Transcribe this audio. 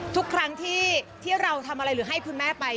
ทุกครั้งที่เราทำอะไรหรือให้คุณแม่ไป